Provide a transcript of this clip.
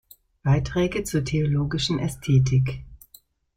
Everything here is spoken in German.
Beiträge zur theologischen Ästhetik.